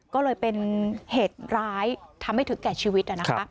ก็เลยเป็นเหตุร้ายทำให้ถึงแก่ชีวิต